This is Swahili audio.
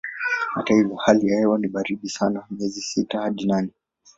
Hata hivyo hali ya hewa ni ya baridi sana miezi ya sita hadi nane.